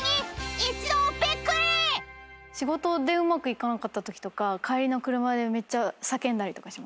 仕事でうまくいかなかったとき帰りの車で叫んだりとかします。